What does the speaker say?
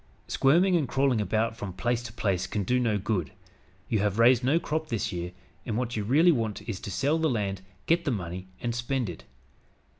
Squirming and crawling about from place to place can do no good. You have raised no crop this year, and what you really want is to sell the land, get the money and spend it.